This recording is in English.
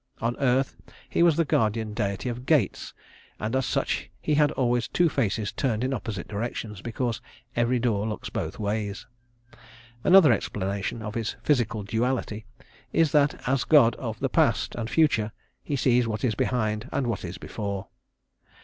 On earth he was the guardian deity of gates, and as such he had always two faces turned in opposite directions, because every door looks both ways. Another explanation of his physical duality is that as god of the past and future he sees what is behind and what is before.